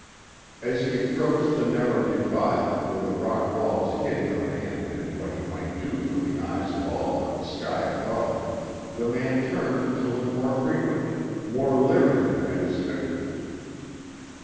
As he approached the narrow defile, where the rock walls hid a man and what he might do from the eyes of all but the sky above, the man turned to look more frequently, more leeringly at his victim.